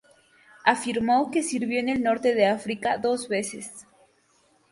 Afirma que sirvió en el norte de África dos veces.